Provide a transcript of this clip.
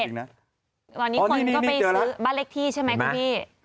ก็ไปซื้อบ้านเล็กที่ใช่ไหมคุณพี่